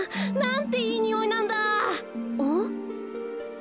ん？